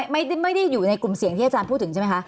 ไม่ได้อยู่ในกลุ่มเสี่ยงที่อาจารย์พูดถึงใช่ไหมคะ